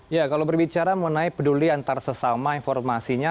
ya kalau berbicara mengenai peduli antar sesama informasinya